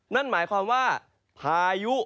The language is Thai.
นั่นหมายความว่าพายุ